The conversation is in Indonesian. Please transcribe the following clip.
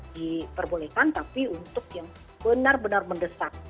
diperbolehkan tapi untuk yang benar benar mendesak